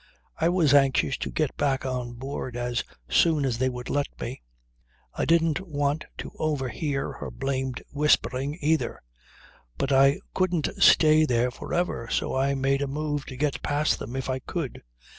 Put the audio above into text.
I was anxious to get back on board as soon as they would let me. I didn't want to overhear her blamed whispering either. But I couldn't stay there for ever, so I made a move to get past them if I could.